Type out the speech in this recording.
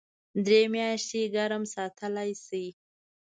درې میاشتې ګرم ساتلی شي .